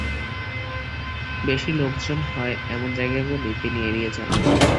বেশি লোকজন হয় এমন জায়গাগুলি তিনি এড়িয়ে চলেন।